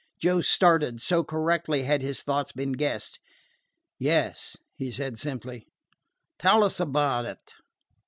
Joe started, so correctly had his thought been guessed. "Yes," he said simply. "Tell us about it."